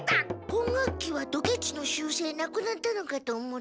今学期はドケチの習せいなくなったのかと思った。